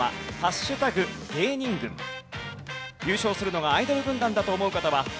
優勝するのがアイドル軍団だと思う方は＃